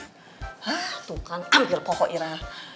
hah tuh kan hampir poho ira